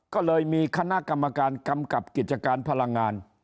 ก็เลยมีคณะกรรมการกำกับกิจการพลังงาน